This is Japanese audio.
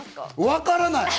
わからない。